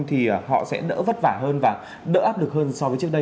thì họ sẽ đỡ vất vả hơn và đỡ áp lực hơn so với trước đây